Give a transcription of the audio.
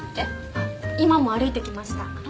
あっ今も歩いてきました。